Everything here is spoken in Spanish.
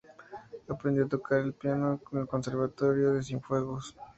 Aprendió a tocar el piano en el Conservatorio de Cienfuegos.